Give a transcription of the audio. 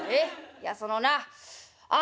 いやそのなあ